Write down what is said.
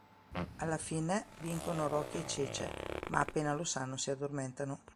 Alla fine vincono Rocky e Cece ma appena lo sanno si addormentano.